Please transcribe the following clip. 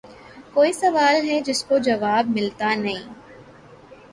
کوئی سوال ھے جس کو جواب مِلتا نیں